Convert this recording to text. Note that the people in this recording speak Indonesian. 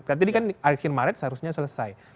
jadi kan akhir maret seharusnya selesai